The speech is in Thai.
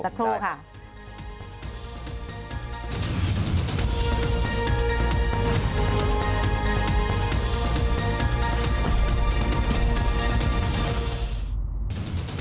ครับได้